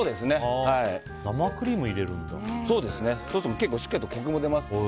結構しっかりとコクも出ますので。